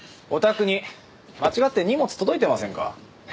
お宅に間違って荷物届いてませんか？